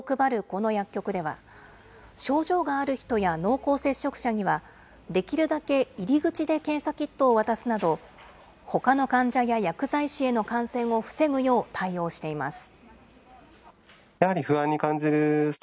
この薬局では、症状がある人や濃厚接触者には、できるだけ入り口で検査キットを渡すなど、ほかの患者や薬剤師への感染を防ぐよう対応しています。